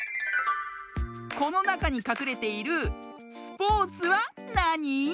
このなかにかくれている「スポーツ」はなに？